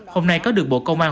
hôm nay có được bộ công an